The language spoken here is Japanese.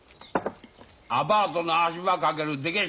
アパートの足場かけるでけえ